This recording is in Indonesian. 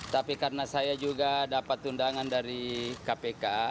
tapi karena saya juga dapat undangan dari kpk